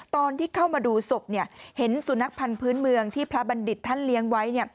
ตอนที่เข้ามาดูศพเห็นสุนัขพันธ์พื้นเมืองที่พระบัณฑิตท่านเลี้ยงไว้